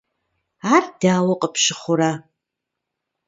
Ар дауэ къыпщыхъурэ?